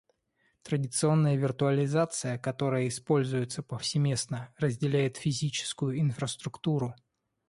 Традиционная виртуализация, которая используется повсеместно, разделяет физическую инфраструктуру